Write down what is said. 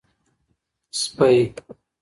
سپۍ